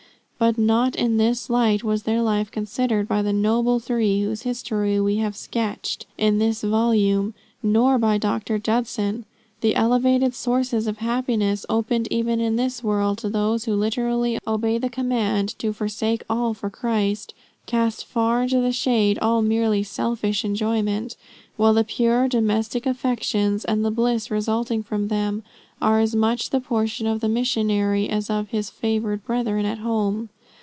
But not in this light was their life considered by the noble three whose history we have sketched in this volume, nor by Dr. Judson. The elevated sources of happiness opened even in this world to those who literally obey the command to forsake all for Christ, cast far into the shade all merely selfish enjoyment; while the pure domestic affections, and the bliss resulting from them, are as much the portion of the missionary, as of his favored brethren at home.